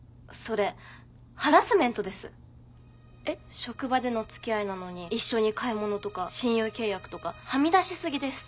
職場での付き合いなのに一緒に買い物とか親友契約とかはみ出し過ぎです。